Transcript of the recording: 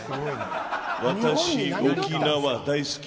私、沖縄が好き。